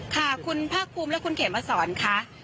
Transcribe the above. ค่ะคุณภาคภูมิและคุณเขมมาสอนค่ะ